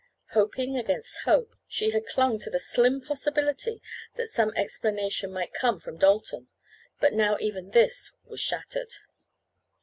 Hoping against hope she had clung to the slim possibility that some explanation might come from Dalton, but now even this was shattered.